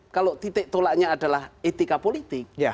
kalau titik tolaknya adalah etika politik